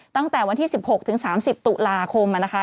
ตั้งแต่วันที่๑๖๓๐ตุลาคม